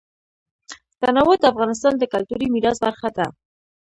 تنوع د افغانستان د کلتوري میراث برخه ده.